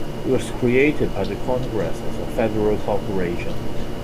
It was created by the Congress as a Federal Corporation.